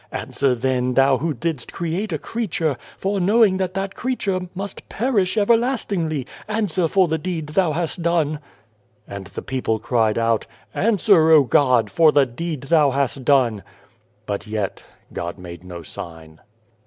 Answer, then, Thou who didst create a crea ture, foreknowing that that creature must perish everlastingly answer for the deed Thou hast done." And the people cried out: " Answer, O God ! for the deed Thou hast done." But yet God made no sign.